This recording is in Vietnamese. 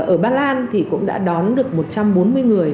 ở ba lan thì cũng đã đón được một trăm bốn mươi người